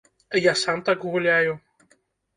Я сам так гуляю.